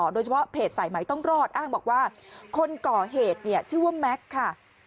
โดยเฉพาะเพจสายใหม่ต้องรอดอ้างบอกว่าคนก่อเหตุชื่อว่าแม็กซ์ค่ะ